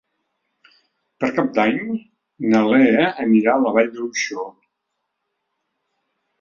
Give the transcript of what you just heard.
Per Cap d'Any na Lea anirà a la Vall d'Uixó.